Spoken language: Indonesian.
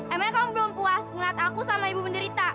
emang kamu belum puas lihat aku sama ibu penderita